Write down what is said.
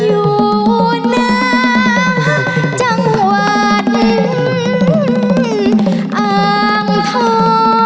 หัวหน้าจังหวัดอ่างธรรม